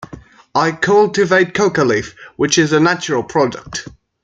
I cultivate coca leaf, which is a natural product.